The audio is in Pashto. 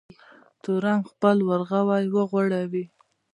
تورن خپل ورغوی وغوړوی.